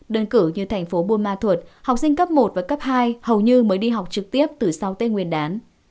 đơn cử như thành phố buôn ma thuột học sinh cấp một và cấp hai hầu như mới đi học trực tiếp từ sau tết nguyên đán